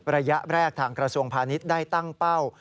ระยะแรกทางกระทรวงพาณิชย์ได้ตั้งเป้า